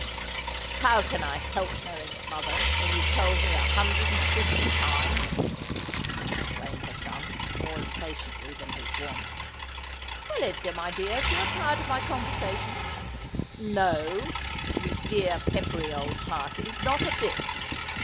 ' How can I help knowing it, mother, when you've told me a hundred and fifty times ?' exclaimed her son, more impatiently than his wont. ' Well, Edgar, my dear, if you're tired of my conversation —'' No, you dear peppery old party, not a bit.